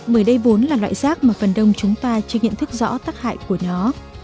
bởi đây vốn là loại rác mà phần đông chúng ta chưa nhận thức rõ tác hại của nó